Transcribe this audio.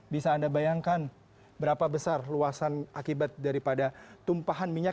bisa anda bayangkan berapa besar luasan akibat daripada tumpahan minyak